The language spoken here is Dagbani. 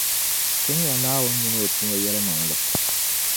Tim ya Naawuni mini O tumo yεlimaŋli.